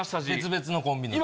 別々のコンビの時。